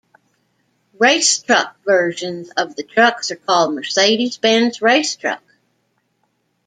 Race truck versions of the trucks are called Mercedes-Benz Race Truck.